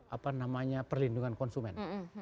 apa namanya perlindungan konsumen